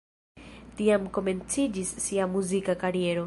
Tiam komenciĝis sia muzika kariero.